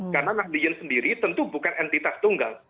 karena nahliyin sendiri tentu bukan entitas tunggal